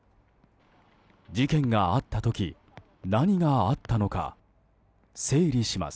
事件があった時何があったのか整理します。